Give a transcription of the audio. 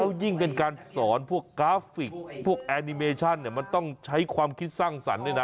แล้วยิ่งเป็นการสอนพวกกราฟิกพวกแอนิเมชั่นเนี่ยมันต้องใช้ความคิดสร้างสรรค์ด้วยนะ